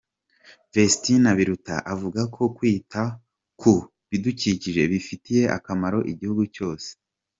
Visenti Biruta avuga ko kwita ku bidukikije bifitiye akamaro igihugu cyose.